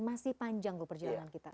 masih panjang perjalanan kita